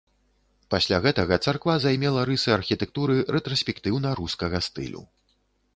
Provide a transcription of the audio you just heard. Пасля гэтага царква займела рысы архітэктуры рэтраспектыўна-рускага стылю.